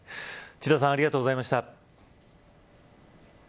千田さんありがとうございました。